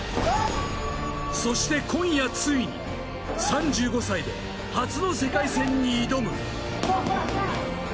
そして今夜ついに３５歳で初の世界戦に挑む。